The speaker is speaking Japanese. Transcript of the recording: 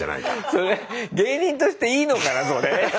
それ芸人としていいのかなそれ。